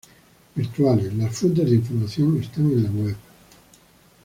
Virtuales: las fuentes de información están en la web.